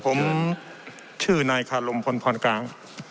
ผมชื่อนายคารมพลพรกลาง